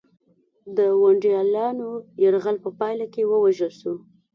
د ونډالیانو یرغل په پایله کې ووژل شو